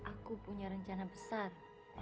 aku punya rencana besar